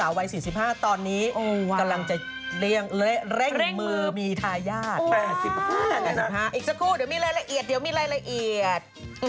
ไอ้สัตว์ห้าอีกสักครู่เดี๋ยวมีไล่ละเอียด